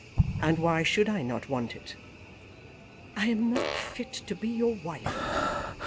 And why should I not want it?" "I am not fit to be your wife."